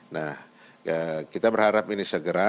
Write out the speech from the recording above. nah kita berharap ini segera